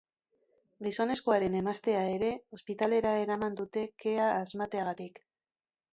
Gizonezkoaren emaztea ere ospitalera eraman dute kea arnasteagatik.